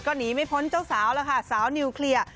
ก็หนีไม่พ้นเจ้าสาวแล้วค่ะสาวนิวเคลียร์